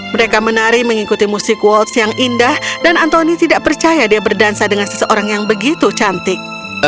mereka menari mengikuti musik waltz yang indah dan anthony tidak percaya dia berdansa dengan seseorang yang begitu cantik